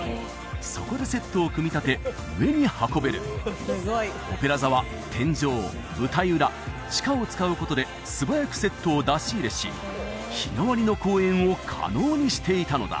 そこでセットを組み立て上に運べるオペラ座は天井舞台裏地下を使うことで素早くセットを出し入れし日替わりの公演を可能にしていたのだ